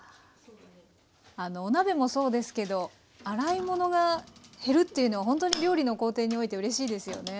あのお鍋もそうですけど洗い物が減るっていうのはほんとに料理の工程においてうれしいですよね。